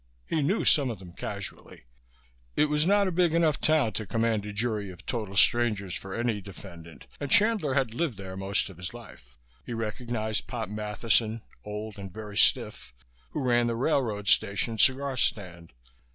He knew some of them casually it was not a big enough town to command a jury of total strangers for any defendant, and Chandler had lived there most of his life. He recognized Pop Matheson, old and very stiff, who ran the railroad station cigar stand.